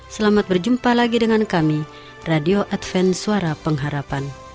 selamat berjumpa lagi dengan kami radio adven suara pengharapan